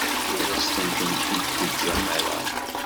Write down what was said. Ur as-tent-id-teǧǧam ara.